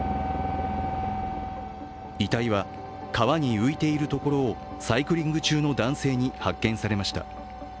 遺体は、川に浮いているところをサイクリング中の男性に発見されました。